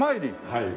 はい。